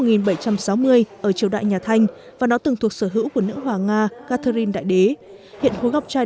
triều đại nhà thanh và nó từng thuộc sở hữu của nữ hòa nga catherine đại đế hiện khối ngọc trai